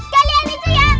kalian itu ya